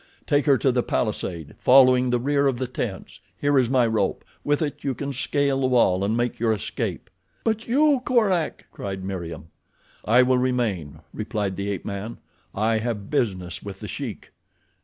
"Take her to the palisade, following the rear of the tents. Here is my rope. With it you can scale the wall and make your escape." "But you, Korak?" cried Meriem. "I will remain," replied the ape man. "I have business with The Sheik."